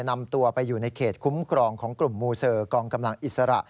นำตัวไปอยู่ในเขตคุ้มครองของกลุ่มมูเซอร์กองกำลังอิสระ